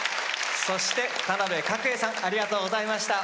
そして田辺鶴英さんありがとうございました。